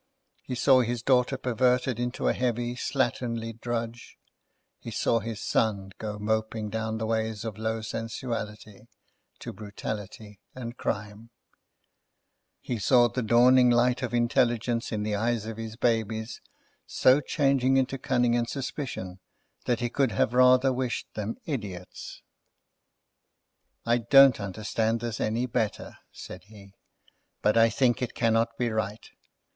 He saw his daughter perverted into a heavy, slatternly drudge; he saw his son go moping down the ways of low sensuality, to brutality and crime; he saw the dawning light of intelligence in the eyes of his babies so changing into cunning and suspicion, that he could have rather wished them idiots. "I don't understand this any the better," said he; "but I think it cannot be right.